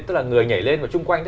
tức là người nhảy lên và chung quanh